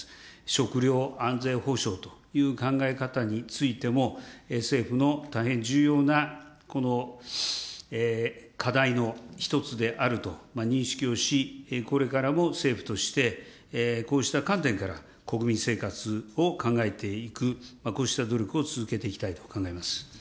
食料安全保障という考え方についても、政府の大変重要な課題の一つであると認識をし、これからも政府として、こうした観点から国民生活を考えていく、こうした努力を続けていきたいと考えます。